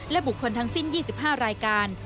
บุคคลทั้งสิ้น๒๕รายการ